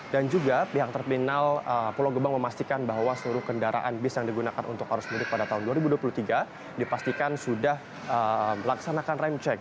dan juga pihak terminal pulau gebang memastikan bahwa seluruh kendaraan bis yang digunakan untuk arus pudik pada tahun dua ribu dua puluh tiga dipastikan sudah melaksanakan remcek